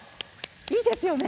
いいですよね。